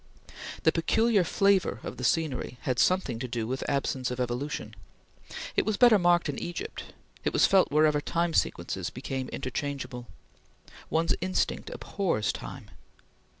The peculiar flavor of the scenery has something to do with absence of evolution; it was better marked in Egypt: it was felt wherever time sequences became interchangeable. One's instinct abhors time.